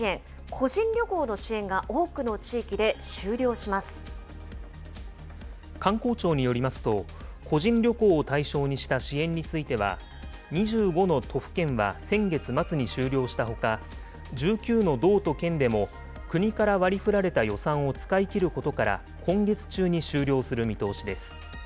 個人旅行の支援が多くの地域で終観光庁によりますと、個人旅行を対象にした支援については、２５の都府県は、先月末に終了したほか、１９の道と県でも、国から割りふられた予算を使い切ることから、今月中に終了する見通しです。